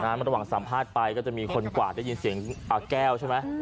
ระหว่างสัมภาษณ์ไปก็จะมีคนกวาดได้ยินเสียงแก้วใช่ไหม